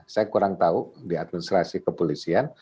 saya kurang tahu di administrasi kepolisian